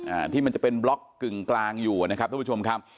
อ่าที่มันจะเป็นบล็อกกึ่งกลางอยู่นะครับทุกผู้ชมครับ